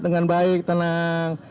dengan baik tenang